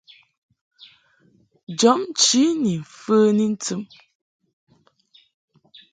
Jɔbnchi ni mfəni ntɨm.